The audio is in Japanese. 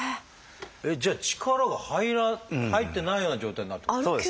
えっじゃあ力が入ってないような状態になるってことですか？